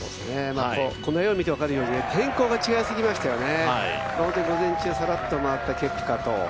この画を見て分かるように天候が違いすぎましたよね。